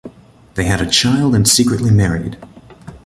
They had a child and secretly married.